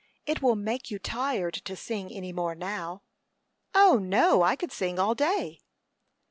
It will make you tired to sing any more now." "O, no! I could sing all day."